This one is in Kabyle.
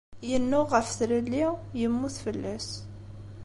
Yennuɣ ɣef tlelli, yemmut fell-as.